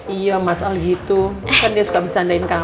iya mas al gitu kan dia suka bercandain kamu